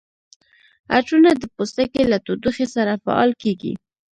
عطرونه د پوستکي له تودوخې سره فعال کیږي.